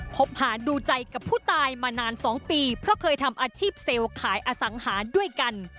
คบหาดูใจกับผู้ตายมานาน๒ปีเพราะเคยทำอาชีพเซลล์ขายอสังหาด้วยกัน